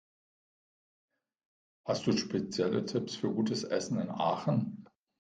Hast du spezielle Tipps für gutes Essen in Aachen?